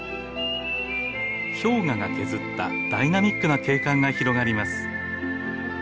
氷河が削ったダイナミックな景観が広がります。